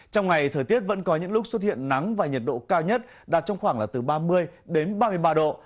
trong ngày thời tiết vẫn có những lúc xuất hiện nắng và nhiệt độ cao nhất đạt trong khoảng là từ ba mươi đến ba mươi ba độ